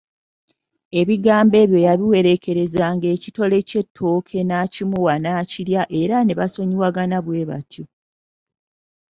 Ebigambo ebyo yabiwerekezanga ekitole ky’ettooke n’akimuwa n’akirya era ne basonyiwagana bwe batyo.